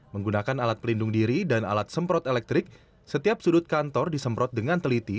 menggunakan alat pelindung diri dan alat semprot elektrik setiap sudut kantor disemprot dengan teliti